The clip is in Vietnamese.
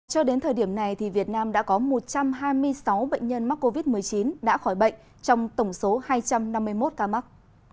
cho đến thời điểm này việt nam đã có một trăm hai mươi sáu bệnh nhân mắc covid một mươi chín đã khỏi bệnh trong tổng số hai trăm năm mươi một ca mắc